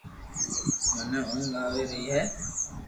منو اونگ آوي رھئي ھي